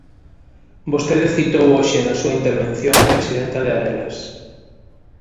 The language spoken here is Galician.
Vostede citou hoxe na súa intervención á presidenta de Arelas.